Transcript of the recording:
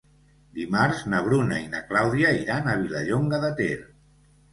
Dimarts na Bruna i na Clàudia iran a Vilallonga de Ter.